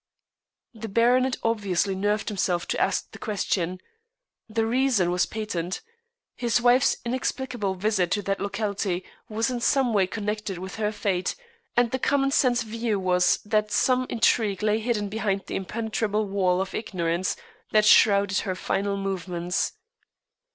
The baronet obviously nerved himself to ask the question. The reason was patent. His wife's inexplicable visit to that locality was in some way connected with her fate, and the common sense view was that some intrigue lay hidden behind the impenetrable wall of ignorance that shrouded her final movements.